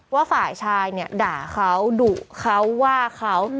ว่าฝ่ายชายเนี่ยด่าเขาดุเขาว่าเขา